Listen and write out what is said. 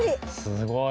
すごい。